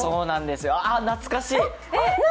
あ、懐かしい！